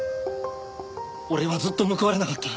俺はずっと報われなかった。